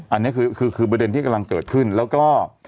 อันนี้คือประเด็นที่กำลังเกิดขึ้นแล้วก็